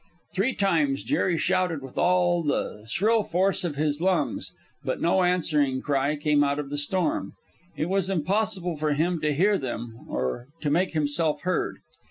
Three times Jerry shouted with all the shrill force of his lungs, but no answering cry came out of the storm. It was impossible for him to hear them or to make himself heard.